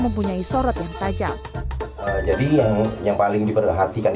mempunyai sorot yang tajam jadi yang yang paling diperhatikan